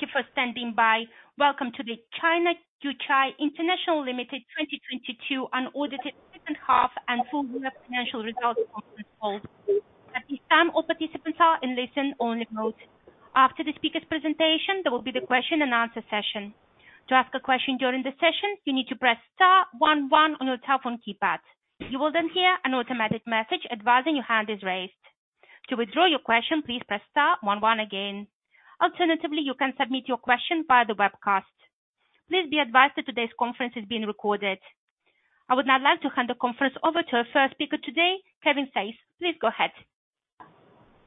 Thank you for standing by. Welcome to the China Yuchai International Limited 2022 unaudited second half and full year financial results conference call. At this time, all participants are in listen only mode. After the speaker's presentation, there will be the question and answer session. To ask a question during the session, you need to press star 11 on your telephone keypad. You will then hear an automatic message advising your hand is raised. To withdraw your question, please press star 11 again. Alternatively, you can submit your question via the webcast. Please be advised that today's conference is being recorded. I would now like to hand the conference over to our first speaker today, Kevin Theiss. Please go ahead.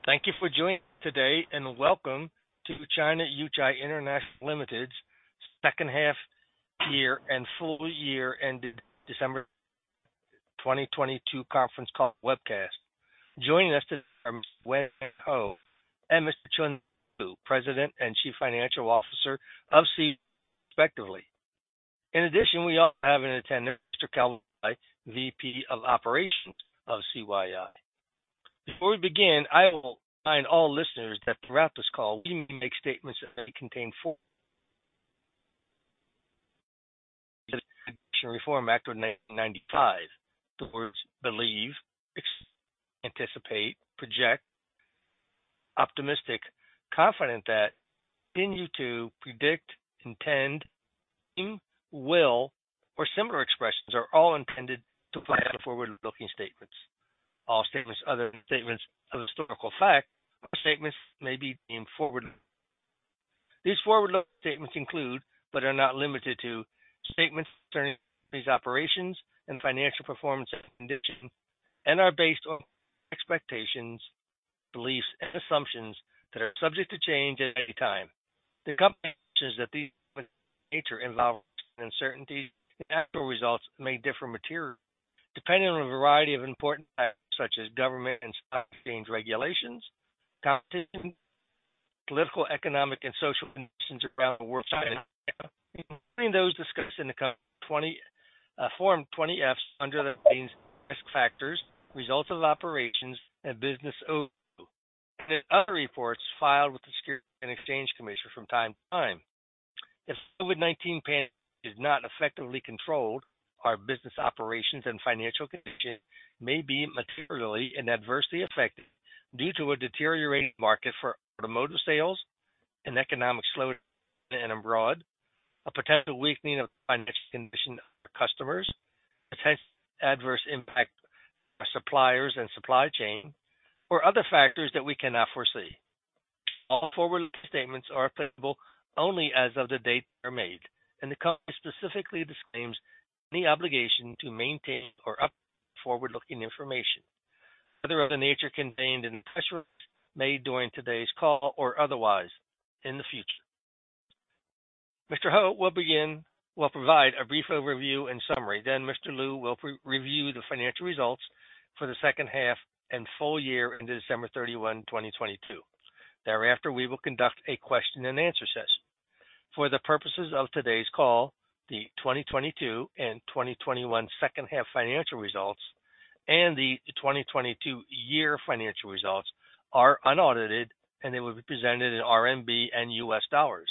Thank you for joining today and welcome to China Yuchai International Limited's second half year and full year ended December 2022 conference call webcast. Joining us today are Mr. Weng Hoh and Mr. Choon Loo, President and Chief Financial Officer of CYI respectively. In addition, we also have in attendance Mr. Kelvin Lai, VP of Operations of CYI. Before we begin, I will remind all listeners that throughout this call we may make statements that may contain. Private Securities Litigation Reform Act of 1995. The words believe, anticipate, project, optimistic, confident that, continue to predict, intend, will, or similar expressions are all intended to apply to forward-looking statements. All statements other than statements of historical fact or statements made in. These forward-looking statements include, but are not limited to statements concerning these operations and financial performance conditions, and are based on expectations, beliefs, and assumptions that are subject to change at any time. The company acknowledges that these nature involve uncertainty, and actual results may differ materially, depending on a variety of important factors, such as government and stock exchange regulations, competition, political, economic, and social conditions around the world including those discussed in the company's Form 20-Fs under the headings Risk Factors, Results of Operations and Business. There are other reports filed with the Securities and Exchange Commission from time to time. If COVID-19 is not effectively controlled, our business operations and financial condition may be materially and adversely affected due to a deteriorating market for automotive sales and economic slowdown at home and abroad, a potential weakening of financial condition of our customers, a potential adverse impact on our suppliers and supply chain, or other factors that we cannot foresee. All forward-looking statements are applicable only as of the date they are made, the company specifically disclaims any obligation to maintain or update forward-looking information, whether of the nature contained in press release made during today's call or otherwise in the future. Mr. Hoh will provide a brief overview and summary. Mr. Loo will re-review the financial results for the second half and full year ended December 31, 2022. Thereafter, we will conduct a question and answer session. For the purposes of today's call, the 2022 and 2021 second half financial results and the 2022 year financial results are unaudited and they will be presented in RMB and US dollars.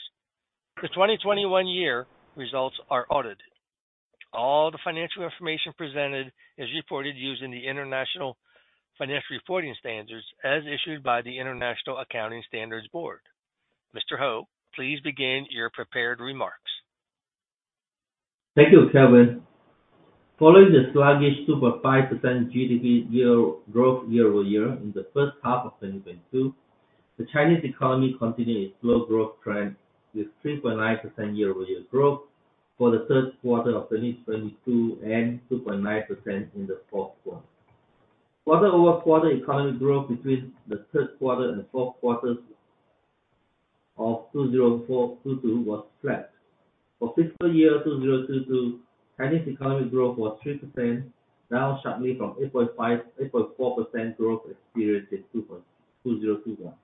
The 2021 year results are audited. All the financial information presented is reported using the International Financial Reporting Standards as issued by the International Accounting Standards Board. Mr. Ho, please begin your prepared remarks. Thank you, Kevin. Following the sluggish 2.5% GDP growth year-over-year in the first half of 2022, the Chinese economy continued its slow growth trend with 3.9% year-over-year growth for the third quarter of 2022 and 2.9% in the fourth quarter. Quarter-over-quarter economic growth between the third quarter and fourth quarters of 2022 was flat. For fiscal year 2022, Chinese economic growth was 3%, down sharply from 8.4% growth experienced in 2021.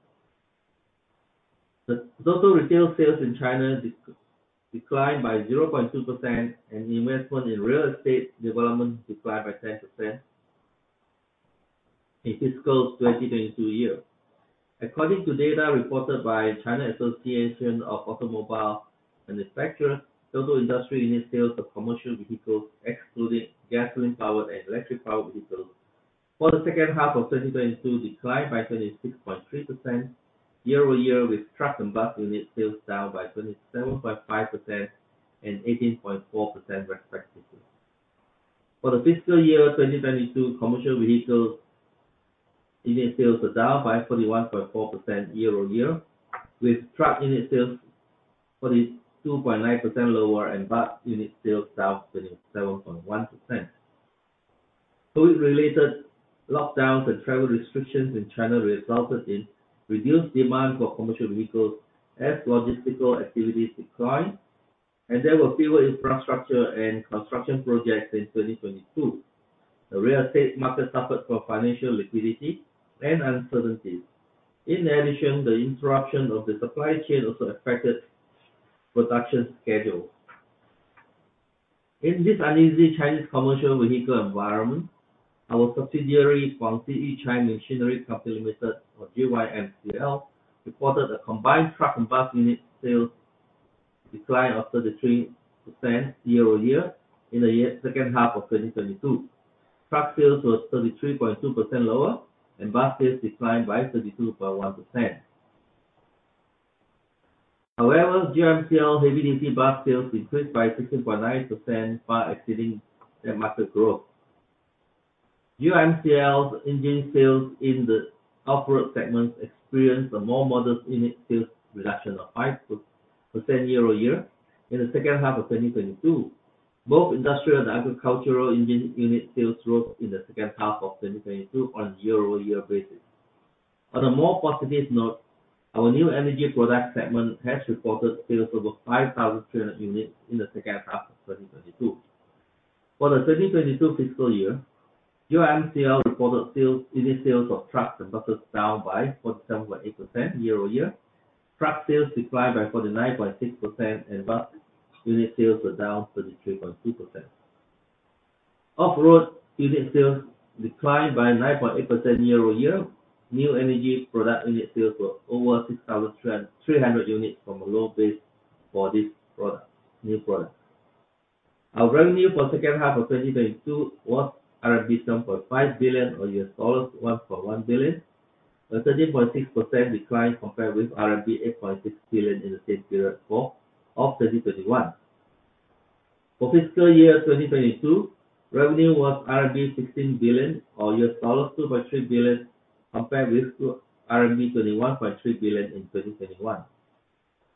The total retail sales in China declined by 0.2%, and investment in real estate development declined by 10% in fiscal 2022 year. According to data reported by China Association of Automobile Manufacturers, total industry unit sales of commercial vehicles excluding gasoline-powered and electric-powered vehicles for the second half of 2022 declined by 26.3% year-over-year, with truck and bus unit sales down by 27.5% and 18.4% respectively. For the fiscal year 2022, commercial vehicles unit sales were down by 41.4% year-over-year, with truck unit sales 42.9% lower and bus unit sales down 27.1%. COVID-related lockdowns and travel restrictions in China resulted in reduced demand for commercial vehicles as logistical activities declined, and there were fewer infrastructure and construction projects in 2022. The real estate market suffered from financial liquidity and uncertainties. The interruption of the supply chain also affected production schedules. In this uneasy Chinese commercial vehicle environment, our subsidiary Guangxi Yuchai Machinery Company Limited or GYMCL reported a combined truck and bus unit sales decline of 33% year-over-year in the second half of 2022. Truck sales was 33.2% lower and bus sales declined by 32.1%. GYMCL heavy-duty bus sales increased by 16.9%, far exceeding their market growth. GYMCL's engine sales in the off-road segments experienced a more modest unit sales reduction of 5% year-over-year in the second half of 2022. Both industrial and agricultural engine unit sales growth in the second half of 2022 on a year-over-year basis. On a more positive note, our new energy product segment has reported sales of over 5,300 units in the second half of 2022. For the 2022 fiscal year, GYMCL reported sales, unit sales of trucks and buses down by 47.8% year-over-year. Truck sales declined by 49.6%, and bus unit sales were down 33.2%. Off-road unit sales declined by 9.8% year-over-year. New energy product unit sales were over 6,300 units from a low base for this product, new product. Our revenue for second half of 2022 was RMB 7.5 billion or $1.1 billion, a 13.6% decline compared with RMB 8.6 billion in the same period of 2021. For fiscal year 2022, revenue was RMB 16 billion or $2.3 billion, compared with RMB 21.3 billion in 2021.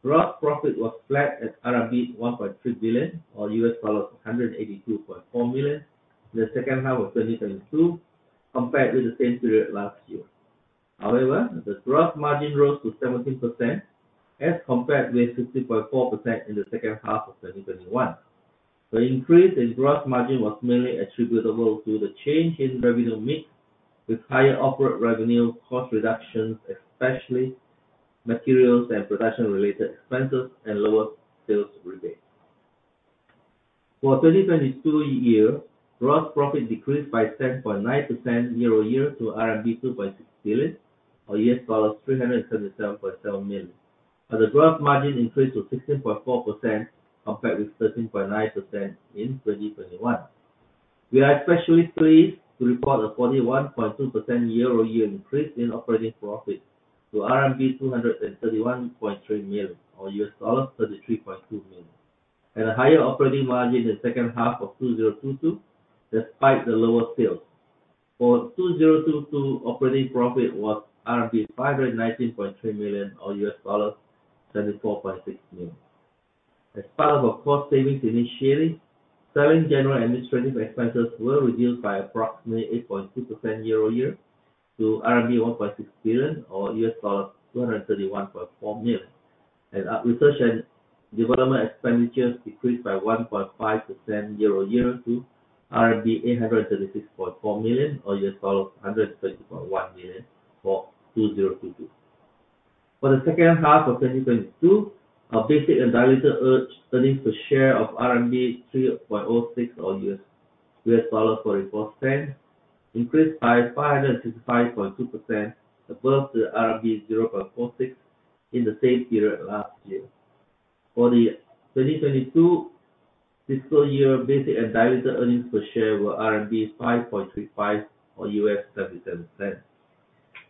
Gross profit was flat at RMB 1.3 billion or $182.4 million in the second half of 2022, compared with the same period last year. The gross margin rose to 17% as compared with 16.4% in the second half of 2021. The increase in gross margin was mainly attributable to the change in revenue mix with higher off-road revenue cost reductions, especially materials and production related expenses and lower sales rebate. For 2022 year, gross profit decreased by 10.9% year-over-year to RMB 2.6 billion or $377.7 million. The gross margin increased to 16.4% compared with 13.9% in 2021. We are especially pleased to report a 41.2% year-over-year increase in operating profit to RMB 231.3 million or $33.2 million. At a higher operating margin in the second half of 2022, despite the lower sales. For 2022, operating profit was 519.3 million or $34.6 million. As part of our cost savings initiative, Selling, General, and Administrative expenses were reduced by approximately 8.2% year-over-year to RMB 1.6 billion or $231.4 million. R&D expenditures decreased by 1.5% year-over-year to 836.4 million or $130.1 million for 2022. For the second half of 2022, our basic and diluted earnings per share of RMB 3.06 or $0.44 increased by 565.2% above the RMB 0.46 in the same period last year. For the 2022 fiscal year, basic and diluted earnings per share were 5.35 or $0.77.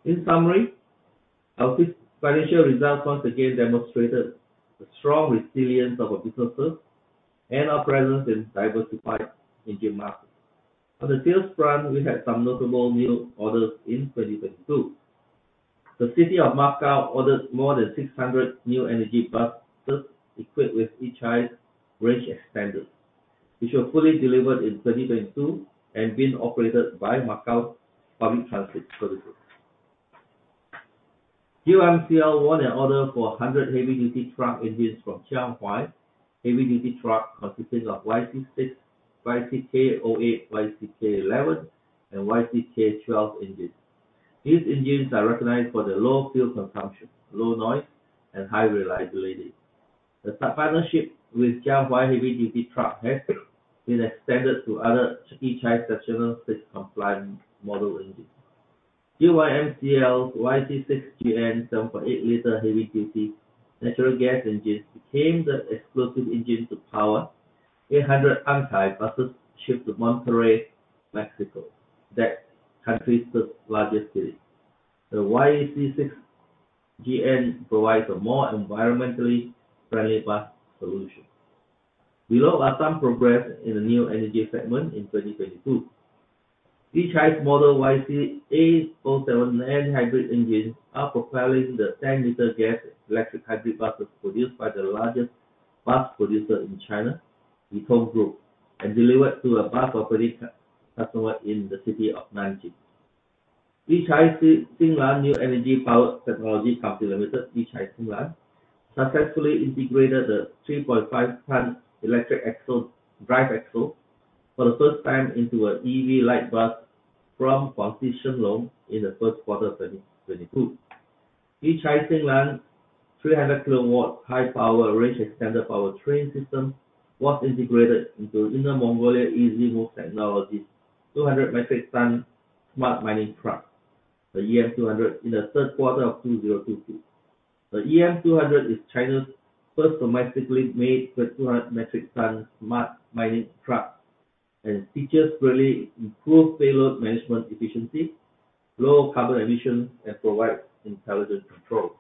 In summary, our financial results once again demonstrated the strong resilience of our businesses and our presence in diversified engine markets. On the sales front, we had some notable new orders in 2022. The City of Macau ordered more than 600 new energy buses equipped with Yuchai's range extender, which were fully delivered in 2022 and being operated by Macau Public Transit Services. GYMCL won an order for 100 heavy-duty truck engines from Jianghuai. Heavy-duty truck consisting of YC6, YCK08, YCK11, and YCK12 engines. These engines are recognized for their low fuel consumption, low noise, and high reliability. The partnership with Jianghuai heavy-duty truck has been extended to other Yuchai National VI compliant model engines. GYMCL's YC6GN 7.8 liter heavy-duty natural gas engines became the exclusive engine to power 800 Ankai buses shipped to Monterrey, Mexico, that country's third largest city. The YC6GN provides a more environmentally friendly bus solution. Below are some progress in the new energy segment in 2022. Yuchai's model YCA07N hybrid engines are propelling the 10-liter gas electric hybrid buses produced by the largest bus producer in China, Yutong Group, and delivered to a bus operating customer in the city of Nanjing. Yuchai Xin-Lan New Energy Power Technology Company Limited, Yuchai Xin-Lan, successfully integrated the 3.5-ton electric axle, drive axle for the first time into a EV light bus from Guangxi Shenlong in the first quarter of 2022. Yuchai Xin-Lan 300-kilowatt high power range extender power train system was integrated into Inner Mongolia EasyMove Technology's 200-metric ton smart mining truck, the EM200, in the third quarter of 2022. The EM200 is China's first domestically made 200-metric ton smart mining truck, it features really improved payload management efficiency, low carbon emissions, and provides intelligent control.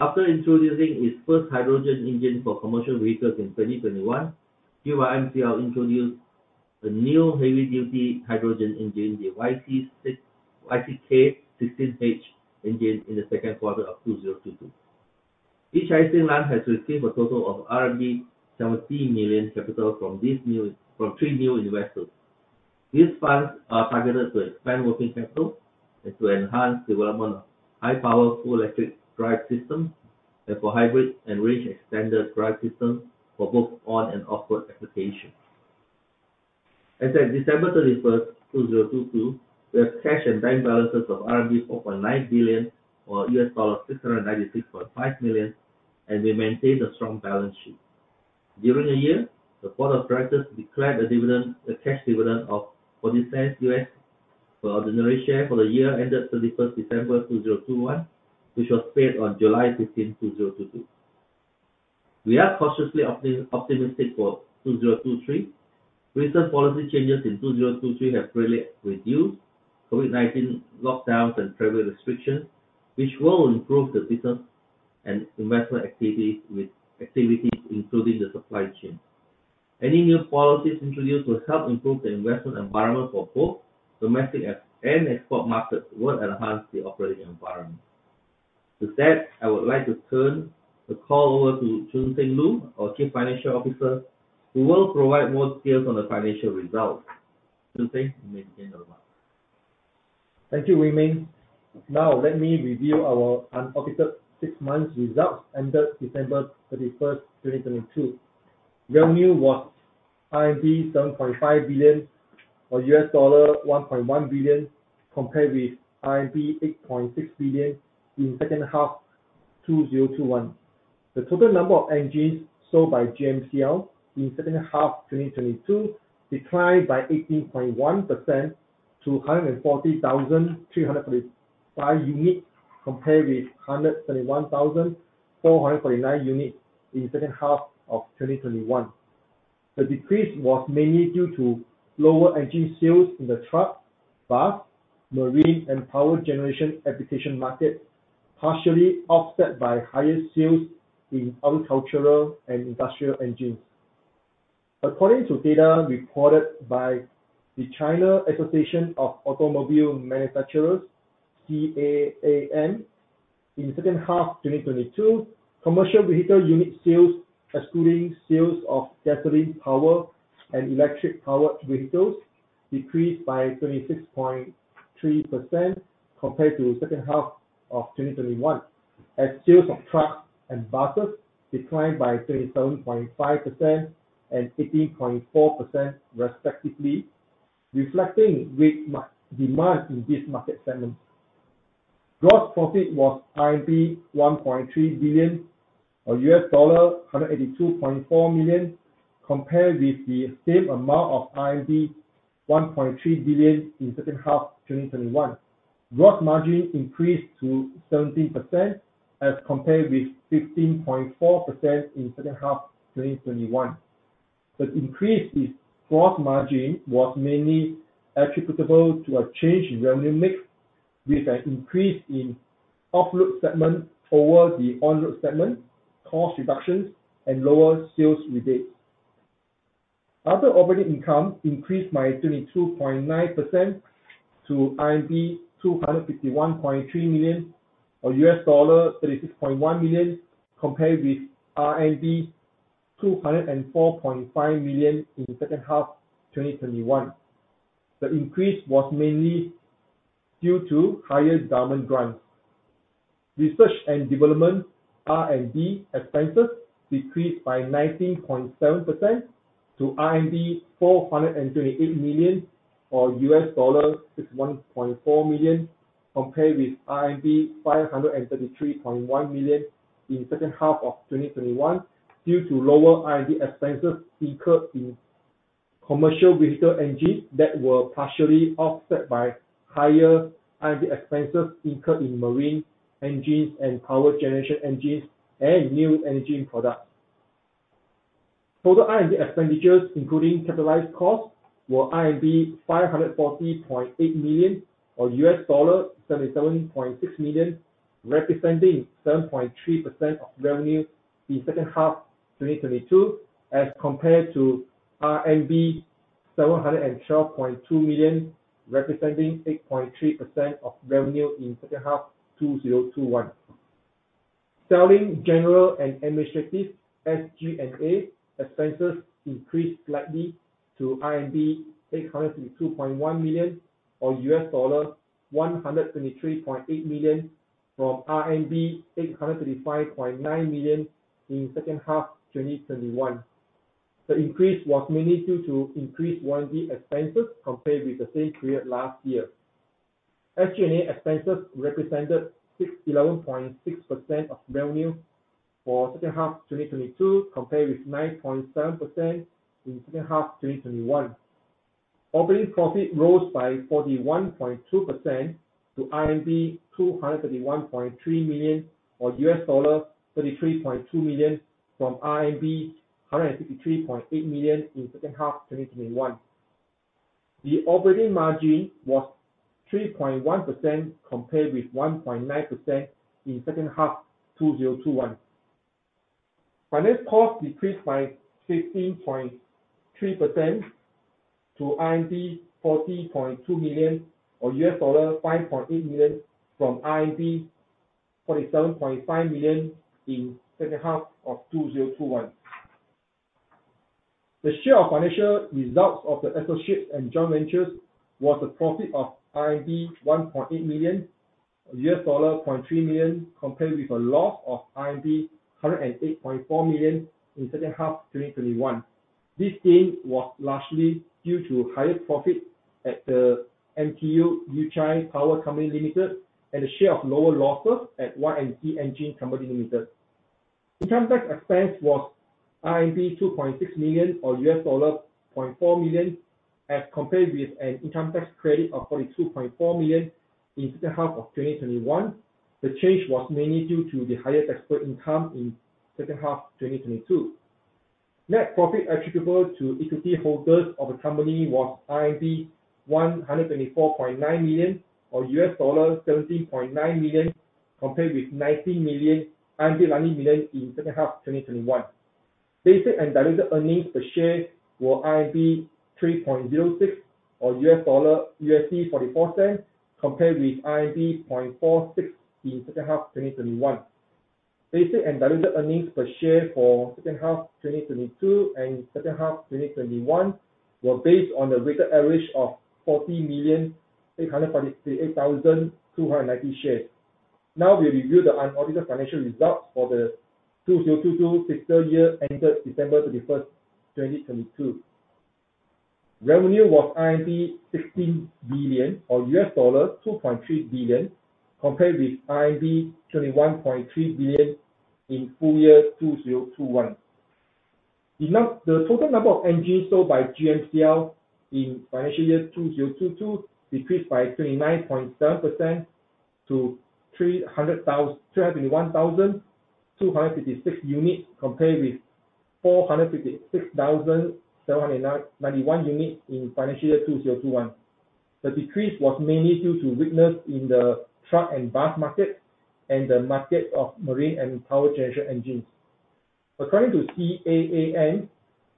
After introducing its first hydrogen engine for commercial vehicles in 2021, GYMCL introduced a new heavy-duty hydrogen engine, the YCK16H engine, in the second quarter of 2022. Yuchai Xin-Lan has received a total of RMB 70 million capital from three new investors. These funds are targeted to expand working capital and to enhance development of high power full electric drive system and for hybrid and range extended drive system for both on and off-road applications. As at December 31, 2022, we have cash and bank balances of RMB 4.9 billion or $696.5 million, and we maintain a strong balance sheet. During the year, the board of directors declared a dividend, a cash dividend of $0.40 per ordinary share for the year ended December 31, 2021, which was paid on July 15, 2022. We are cautiously optimistic for 2023. Recent policy changes in 2023 have really reduced COVID-19 lockdowns and travel restrictions, which will improve the business and investment activities, including the supply chain. Any new policies introduced will help improve the investment environment for both domestic and export markets will enhance the operating environment. With that, I would like to turn the call over to Choon Sen Loo, our Chief Financial Officer, who will provide more details on the financial results. Choon Sen, you may begin now. Thank you, Weng Ming Hoh. Now let me review our unaudited 6 months results ended December 31st, 2022. Revenue was 7.5 billion, or $1.1 billion, compared with RMB 8.6 billion in second half 2021. The total number of engines sold by GYMCL in second half 2022 declined by 18.1% to 140,335 units, compared with 121,449 units in second half of 2021. The decrease was mainly due to lower engine sales in the truck, bus, marine, and power generation application market, partially offset by higher sales in agricultural and industrial engines. According to data reported by the China Association of Automobile Manufacturers, CAAM, in second half 2022, commercial vehicle unit sales, excluding sales of gasoline-powered and electric-powered vehicles, decreased by 26.3% compared to second half of 2021, as sales of trucks and buses declined by 27.5% and 18.4% respectively, reflecting weak demand in this market segment. Gross profit was 1.3 billion, or $182.4 million, compared with the same amount of 1.3 billion in second half 2021. Gross margin increased to 17% as compared with 15.4% in second half 2021. The increase in gross margin was mainly attributable to a change in revenue mix with an increase in off-road segment over the on-road segment, cost reductions, and lower sales rebates. Other operating income increased by 22.9% to 251.3 million, or $36.1 million, compared with RMB 204.5 million in second half 2021. The increase was mainly due to higher government grants. Research and development, R&D, expenses decreased by 19.7% to RMB 428 million, or $61.4 million, compared with RMB 533.1 million in second half of 2021 due to lower R&D expenses incurred in commercial vehicle engines that were partially offset by higher R&D expenses incurred in marine engines and power generation engines and new engine products. Total R&D expenditures, including capitalized costs, were 540.8 million or $77.6 million, representing 7.3% of revenue in second half 2022 as compared to RMB 712.2 million, representing 8.3% of revenue in second half 2021. Selling, general, and administrative, SG&A, expenses increased slightly to 832.1 million or $123.8 million from RMB 835.9 million in second half 2021. The increase was mainly due to increased warranty expenses compared with the same period last year. SG&A expenses represented 11.6% of revenue for second half 2022 compared with 9.7% in second half 2021. Operating profit rose by 41.2% to RMB 231.3 million or $33.2 million, from RMB 153.8 million in second half 2021. The operating margin was 3.1% compared with 1.9% in second half 2021. Finance cost decreased by 16.3% to 40.2 million or $5.8 million from 47.5 million in second half of 2021. The share of financial results of the associates and joint ventures was a profit of RMB 1.8 million, $0.3 million, compared with a loss of 108.4 million in second half 2021. This gain was largely due to higher profit at the MTU Yuchai Power Company Limited and a share of lower losses at Y&C Engine Company Limited.. Income tax expense was RMB 2.6 million or $0.4 million as compared with an income tax credit of 42.4 million in second half of 2021. The change was mainly due to the higher tax rate income in second half 2022. Net profit attributable to equity holders of the company was 124.9 million or $17.9 million compared with RMB 19 million, 90 million in second half 2021. Basic and diluted earnings per share were 3.06 or $0.44 compared with 0.46 in second half 2021. Basic and diluted earnings per share for second half 2022 and second half 2021 were based on the weighted average of 40,848,290 shares. We review the unaudited financial results for the 2022 fiscal year ended December 31, 2022. Revenue was 16 billion or $2.3 billion compared with 21.3 billion in full year 2021. The total number of engines sold by GYMCL in financial year 2022 decreased by 29.7% to 301,256 units compared with 456,791 units in financial year 2021. The decrease was mainly due to weakness in the truck and bus market and the market of marine and power generation engines. According to CAAM,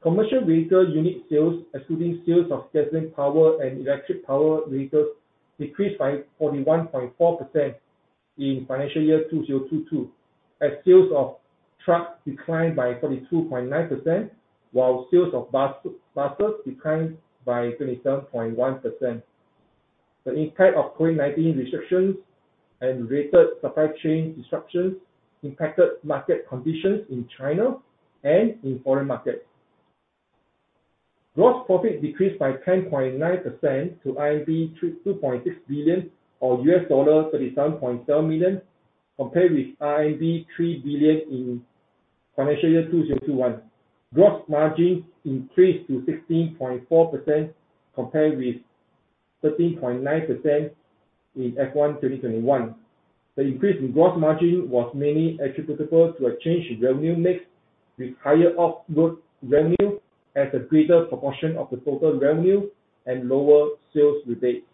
commercial vehicle unit sales, excluding sales of gasoline power and electric power vehicles, decreased by 41.4% in financial year 2022 as sales of truck declined by 42.9% while sales of buses declined by 27.1%. The impact of COVID-19 restrictions and related supply chain disruptions impacted market conditions in China and in foreign markets. Gross profit decreased by 10.9% to 2.6 billion or $37.7 million compared with RMB 3 billion in financial year 2021. Gross margin increased to 16.4% compared with 13.9% in F1 2021. The increase in gross margin was mainly attributable to a change in revenue mix with higher off-road revenue as a greater proportion of the total revenue and lower sales rebates.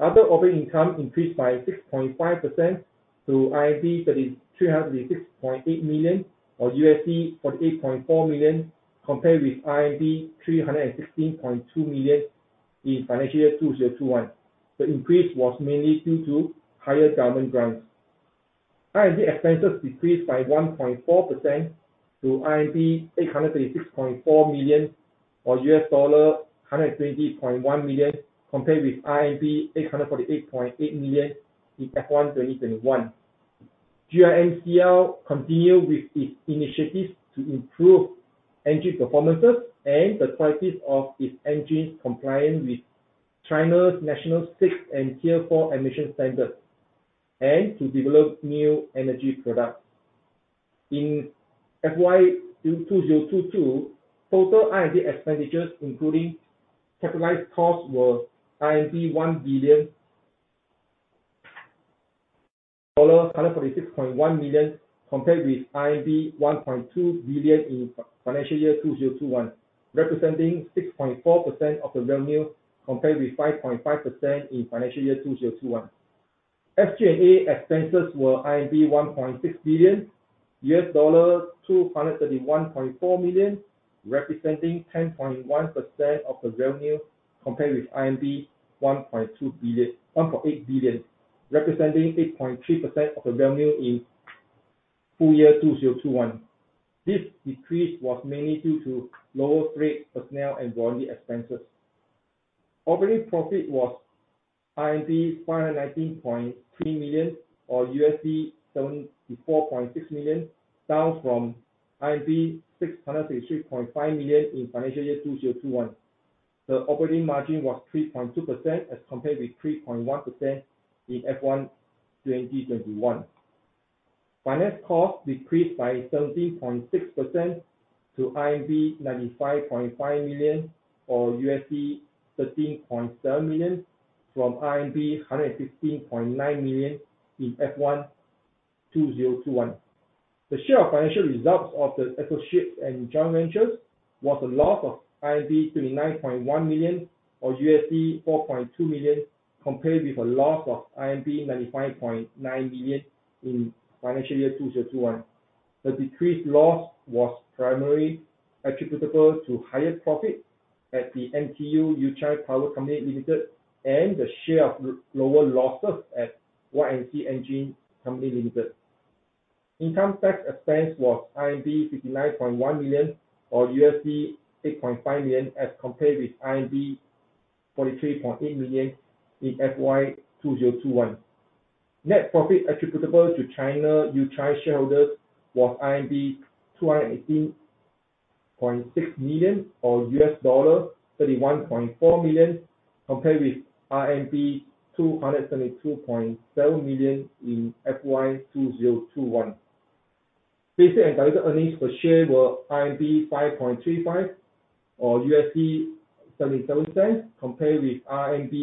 Other operating income increased by 6.5% to 3,336.8 million or $48.4 million compared with 316.2 million in financial year 2021. The increase was mainly due to higher government grants. R&D expenses decreased by 1.4% to 836.4 million or $120.1 million compared with 848.8 million in F1 2021. GYMCL continue with its initiatives to improve engine performances and the prices of its engines compliant with China's National VI and Tier 4 emission standard, and to develop new energy products. In FY 2022, total R&D expenditures including capitalized costs were RMB 1 billion, $146.1 million compared with 1.2 billion in financial year 2021. Representing 6.4% of the revenue compared with 5.5% in financial year 2021. SG&A expenses were 1.6 billion, $231.4 million, representing 10.1% of the revenue compared with 1.2 billion, 1.8 billion, representing 8.3% of the revenue in full year 2021. This decrease was mainly due to lower freight, personnel and warranty expenses. Operating profit was 519.3 million or $74.6 million, down from 633.5 million in financial year 2021. The operating margin was 3.2% as compared with 3.1% in FY 2021. Finance cost decreased by 13.6% to 95.5 million or $13.7 million from 115.9 million in FY 2021. The share of financial results of the associates and joint ventures was a loss of 39.1 million or $4.2 million, compared with a loss of 95.9 million in financial year 2021. The decreased loss was primarily attributable to higher profit at the MTU Yuchai Power Company Limited and the share of lower losses at Y&C Engine Company Limited. Income tax expense was 59.1 million or $8.5 million as compared with 43.8 million in FY 2021. Net profit attributable to China Yuchai shareholders was 218.6 million, or $31.4 million, compared with RMB 272.7 million in FY 2021. Basic and diluted earnings per share were RMB 5.35 or $0.77 compared with RMB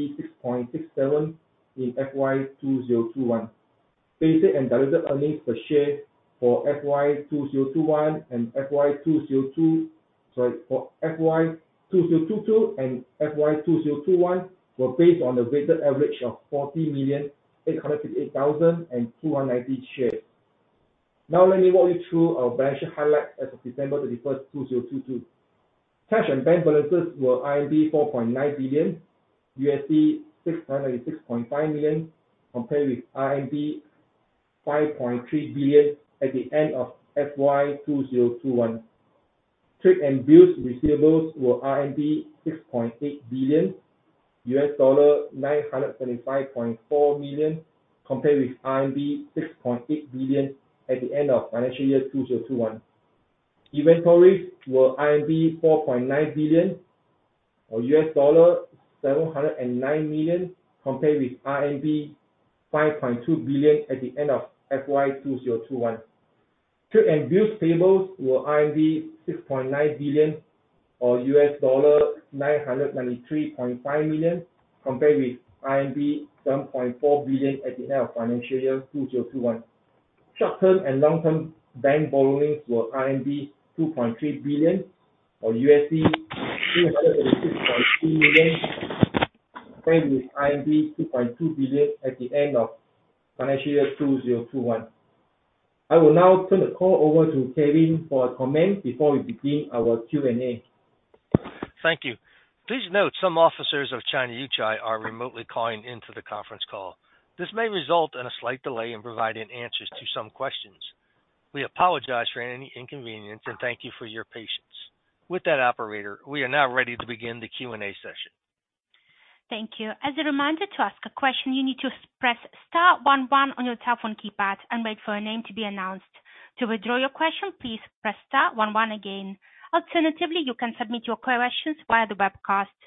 6.67 in FY 2021. Basic and diluted earnings per share for FY 2021. For FY 2022 and FY 2021 were based on a weighted average of 40,858,290 shares. Now let me walk you through our financial highlights as of December 31st, 2022. Cash and bank balances were 4.9 billion, $696.5 million, compared with 5.3 billion at the end of FY 2021. Trade and bills receivables were RMB 6.8 billion, $975.4 million, compared with RMB 6.8 billion at the end of financial year 2021. Inventories were RMB 4.9 billion, or $709 million, compared with RMB 5.2 billion at the end of FY 2021. Trade and bills payables were 6.9 billion, or $993.5 million, compared with 7.4 billion at the end of financial year 2021. Short-term and long-term bank borrowings were 2.3 billion or $266.3 million compared with 2.2 billion at the end of financial year 2021. I will now turn the call over to Kevin for a comment before we begin our Q&A. Thank you. Please note some officers of China Yuchai are remotely calling into the conference call. This may result in a slight delay in providing answers to some questions. We apologize for any inconvenience, and thank you for your patience. With that operator, we are now ready to begin the Q&A session. Thank you. As a reminder, to ask a question you need to press star one one on your telephone keypad and wait for your name to be announced. To withdraw your question, please press star one one again. Alternatively, you can submit your questions via the webcast.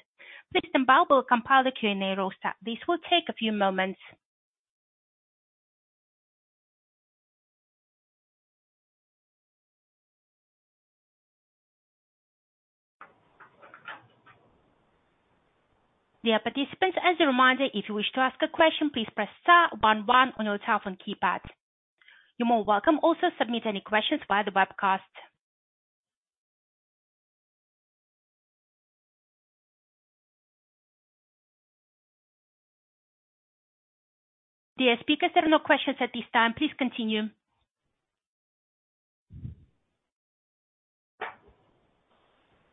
Please stand by while we compile the Q&A roster. This will take a few moments. Dear participants, as a reminder, if you wish to ask a question, please press star one one on your telephone keypad. You're more welcome also to submit any questions via the webcast. Dear speakers, there are no questions at this time. Please continue.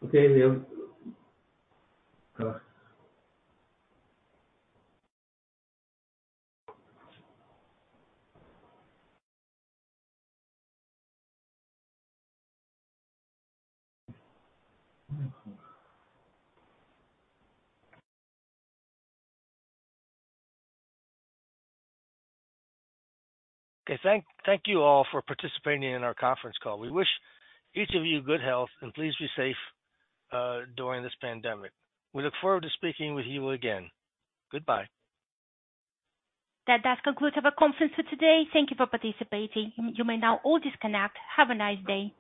Okay, we have. Okay. Thank you all for participating in our conference call. We wish each of you good health and please be safe, during this pandemic. We look forward to speaking with you again. Goodbye. That does conclude our conference for today. Thank Thank you for participating. You may now all disconnect. Have a nice day.